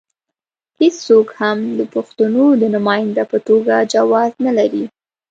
هېڅوک هم د پښتنو د نماینده په توګه جواز نه لري.